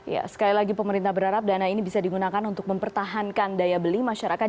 ya sekali lagi pemerintah berharap dana ini bisa digunakan untuk mempertahankan daya beli masyarakat